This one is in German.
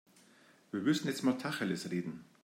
Wir müssen jetzt mal Tacheles reden.